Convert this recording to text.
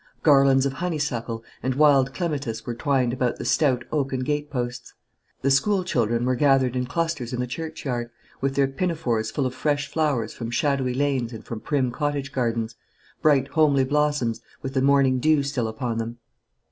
Garlands of honeysuckle and wild clematis were twined about the stout oaken gate posts. The school children were gathered in clusters in the churchyard, with their pinafores full of fresh flowers from shadowy lanes and from prim cottage gardens, bright homely blossoms, with the morning dew still upon them.